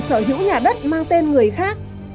sở hữu nhà đất mang tên người khác